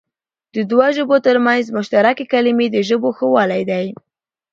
د دوو ژبو تر منځ مشترکې کلمې د ژبو ښهوالی دئ.